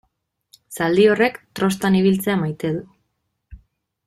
Zaldi horrek trostan ibiltzea maite du.